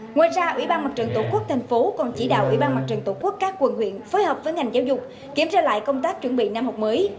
ngoài ra ủy ban mặt trận tổ quốc tp hcm còn chỉ đạo ủy ban mặt trận tổ quốc các quần huyện phối hợp với ngành giáo dục kiểm tra lại công tác chuẩn bị năm học mới